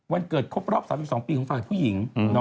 วันเกิดครบรอบ๓๒ปีของฝ่ายผู้หญิง